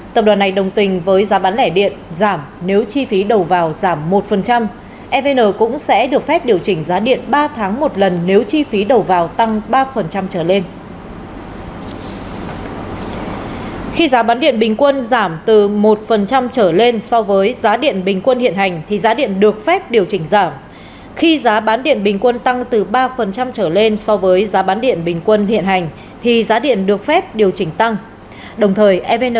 tập đoàn này đồng tình với giá bán lẻ điện giảm nếu chi phí đầu vào giảm một evn cũng sẽ được phép điều chỉnh giá điện ba tháng một lần nếu chi phí đầu vào tăng ba trở lên